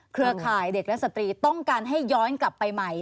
เครือข่ายเด็กและสตรีต้องการให้ย้อนกลับไปใหม่